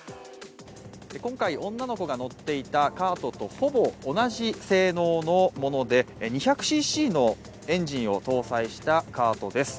今回、女の子が乗っていたカートとほぼ同じ性能のもので２００ｃｃのエンジンを搭載したカートです。